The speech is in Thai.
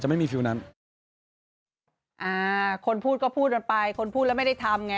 จะไม่มีฟิวนั้นอ่าคนพูดก็พูดเดินไปคนพูดแล้วไม่ได้ทำอย่างงี้